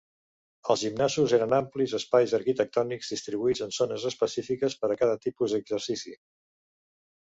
Els gimnasos eren amplis espais arquitectònics distribuïts en zones específiques per a cada tipus d'exercici.